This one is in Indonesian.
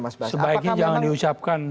mas bas sebaiknya jangan diusapkan